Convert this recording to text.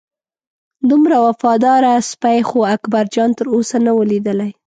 دومره وفاداره سپی خو اکبرجان تر اوسه نه و لیدلی.